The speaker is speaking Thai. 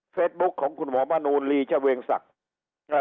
เฟซบุ๊คของคุณหมอมะนูลลีเจ้าเวงศักดิ์